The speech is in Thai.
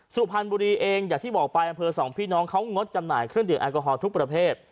สุพรรณบุรีเองอย่างที่บอกไปอำเภอสองพี่น้องเขางดจำหน่ายเครื่องดื่มแอลกอฮอลทุกประเภท